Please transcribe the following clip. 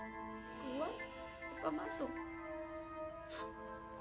gua lupa masuk